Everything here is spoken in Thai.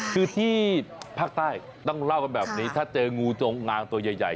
คือที่ภาคใต้ต้องเล่ากันแบบนี้ถ้าเจองูจงงางตัวใหญ่